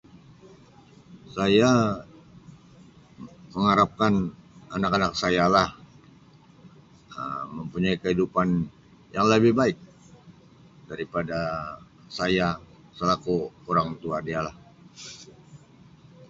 Saya me-mengharapkan anak-anak saya lah Um mempunyai kehidupan yang labih baik daripada saya salaku urang tua dia lah.